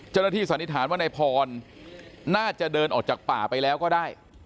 เจ้าหน้าที่สันนิษฐานว่าในพรน่าจะเดินออกจากป่าไปแล้วก็ได้